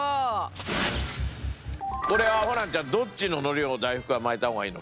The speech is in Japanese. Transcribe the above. これはホランちゃんどっちの海苔を大福は巻いた方がいいの？